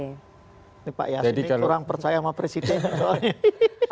ini pak yassin ini kurang percaya sama presiden soalnya